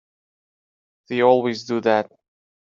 They always do that.